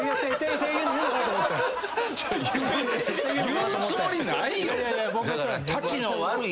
言うつもりないよ！